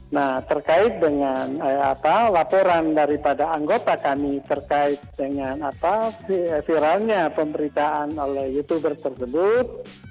nah terkait dengan laporan daripada anggota kami terkait dengan viralnya pemberitaan oleh youtuber tersebut